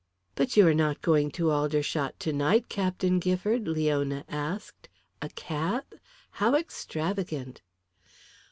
"But you are not going to Aldershot tonight. Captain Gifford?" Leona asked. "A cab? How extravagant!"